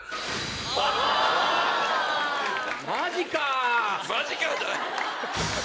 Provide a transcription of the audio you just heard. マジか。